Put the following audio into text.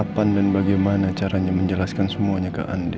kapan dan bagaimana caranya menjelaskan semuanya ke anda